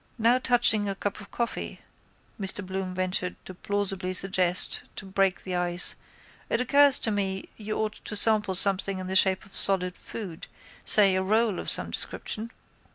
—Now touching a cup of coffee, Mr Bloom ventured to plausibly suggest to break the ice, it occurs to me you ought to sample something in the shape of solid food, say, a roll of some description.